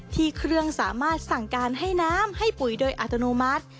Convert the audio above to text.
เครื่องสามารถสั่งการให้น้ำให้ปุ๋ยโดยอัตโนมัติ